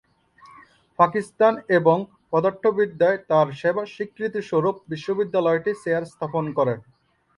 পাকিস্তান এবং পদার্থবিদ্যায় তার সেবার স্বীকৃতিস্বরূপ বিশ্ববিদ্যালয়টি চেয়ার স্থাপন করে।